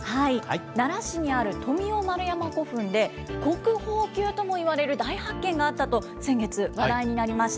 奈良市にある富雄丸山古墳で、国宝級ともいわれる大発見があったと先月、話題になりました。